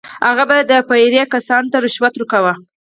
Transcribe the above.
هغه به د پیرې کسانو ته رشوت ورکاوه.